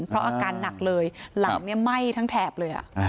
เพราะอาการหนักเลยหลังไหม้ทั้งแถบเลย